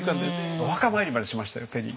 お墓参りまでしましたよペリー。